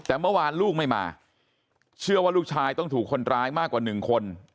แต่เมื่อวานลูกไม่มาเชื่อว่าลูกชายต้องถูกคนร้ายมากกว่าหนึ่งคน